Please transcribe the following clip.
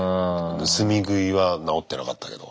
盗み食いは直ってなかったけど。